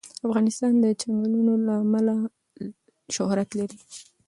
افغانستان د چنګلونه له امله شهرت لري.